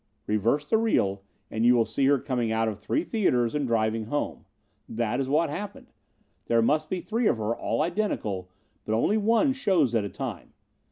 "Reverse the reel and you will see her coming out of three theaters and driving home. That is what happened. There must be three of her, all identical, but only one shows at a time.